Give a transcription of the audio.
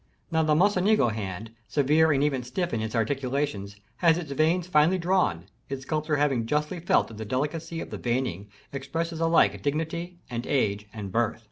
Now the Mocenigo hand, severe and even stiff in its articulations, has its veins finely drawn, its sculptor having justly felt that the delicacy of the veining expresses alike dignity and age and birth.